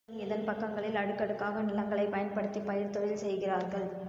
உயர்ந்து செல்லும் இதன் பக்கங்களில் அடுக்கடுக்காக நிலங்களைப் பண்படுத்திப் பயிர்த் தொழில் செய்கிறார்கள்.